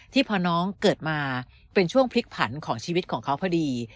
พอน้องเกิดมาเป็นช่วงพลิกผันของชีวิตของเขาพอดี